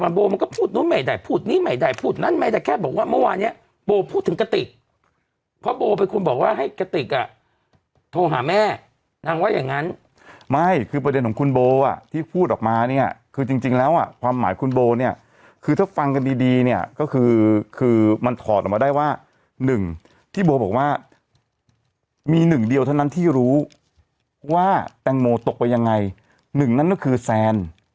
แต่ว่าโบมันก็พูดนู้นไม่ได้พูดนี้ไม่ได้พูดนั้นไม่ได้แค่บอกว่าเมื่อวานเนี้ยโบพูดถึงกติกเพราะโบไปคุณบอกว่าให้กติกอ่ะโทรหาแม่นั่งว่าอย่างงั้นไม่คือประเด็นของคุณโบอ่ะที่พูดออกมาเนี้ยคือจริงจริงแล้วอ่ะความหมายคุณโบเนี้ยคือถ้าฟังกันดีดีเนี้ยก็คือคือมันถอดออกมาได้ว่าหนึ